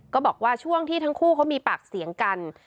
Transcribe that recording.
บอกว่าช่วงที่ทั้งคู่เขามีปากเสียงกัน